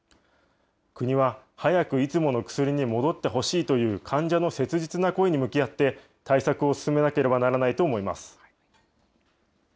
国は早くいつもの薬に戻ってほしいという患者の切実な声に向き合って、対策を進めなければならないと思います。